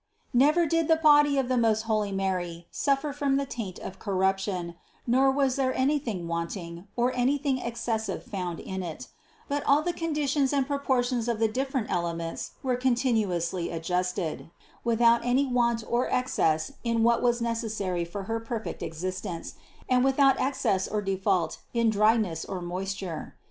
Never did the body of the most Holy Mary suffer from the taint of corruption, nor was there anything wanting or any thing excessive found in it; but all the conditions and proportions of the different elements were continuously adjusted, without any want or excess in what was neces sary for her perfect existence and without excess or de fault in dryness or moisture.